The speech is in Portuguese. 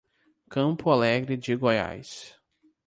Campo Alegre de Goiás